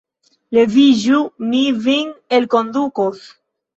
Leviĝu, mi vin elkondukos!